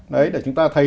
đấy để chúng ta thấy